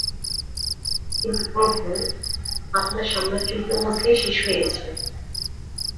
কিন্তু প্রভু, আপনার সাম্রাজ্য ইতোমধ্যেই শেষ হয়ে গেছে।